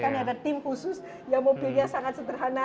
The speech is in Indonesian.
karena ada tim khusus yang mobilnya sangat sederhana